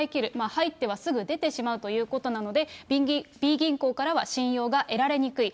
入ってはすぐ出てしまうということなので、Ｂ銀行からは信用が得られにくい。